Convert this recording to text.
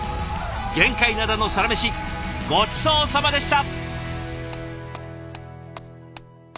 玄界灘のサラメシごちそうさまでした！